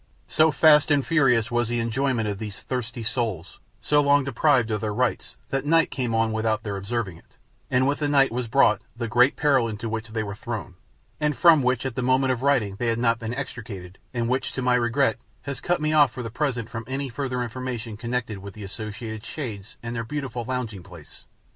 So fast and furious was the enjoyment of these thirsty souls, so long deprived of their rights, that night came on without their observing it, and with the night was brought the great peril into which they were thrown, and from which at the moment of writing they had not been extricated, and which, to my regret, has cut me off for the present from any further information connected with the Associated Shades and their beautiful lounging place.